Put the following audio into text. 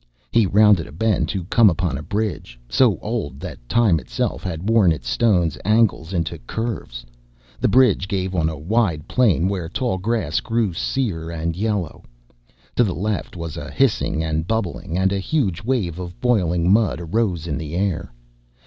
He rounded a bend to come upon a bridge, so old that time itself had worn its stone angles into curves. The bridge gave on a wide plain where tall grass grew sere and yellow. To the left was a hissing and bubbling, and a huge wave of boiling mud arose in the air.